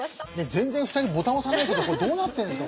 全然２人ボタン押さないけどこれどうなってるんですか？